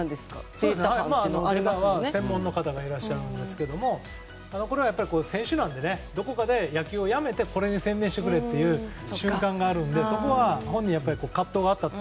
データは専門の方がいらっしゃるんですが選手なのでどこかで野球をやめてこれに専念してくれという瞬間があるのでそこは本人に葛藤はあるかと。